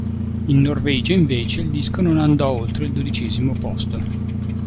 In Norvegia invece il disco non andò oltre il dodicesimo posto.